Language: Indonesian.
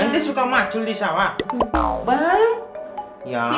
ente suka macul disana bang